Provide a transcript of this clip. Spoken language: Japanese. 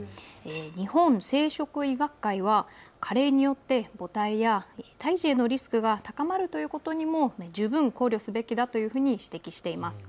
日本生殖医学会は加齢によって母胎や胎児へのリスクが高まることを、十分に考慮すべきだというふうに指摘しています。